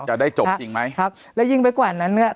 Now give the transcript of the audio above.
จะได้จบจริงไหมครับและยิ่งไปกว่านั้นเนี้ย